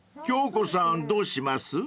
［京子さんどうします？］